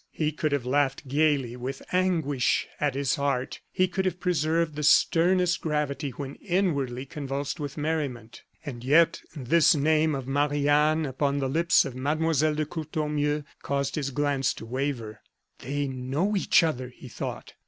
He could have laughed gayly with anguish at his heart; he could have preserved the sternest gravity when inwardly convulsed with merriment. And yet, this name of Marie Anne upon the lips of Mlle. de Courtornieu, caused his glance to waver. "They know each other!" he thought.